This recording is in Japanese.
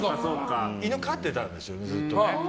犬飼ってたんですよね、ずっと。